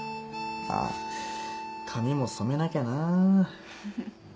あっ髪も染めなきゃな。